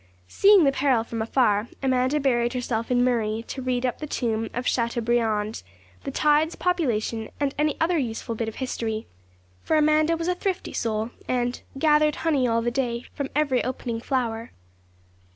Seeing the peril from afar, Amanda buried herself in Murray, to read up the tomb of Chateaubriand, the tides, population, and any other useful bit of history; for Amanda was a thrifty soul, and 'Gathered honey all the day From every opening flower.'